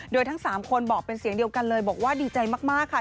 โดยทั้ง๓คนบอกเป็นเสียงเดียวกันเลยบอกว่าดีใจมากค่ะ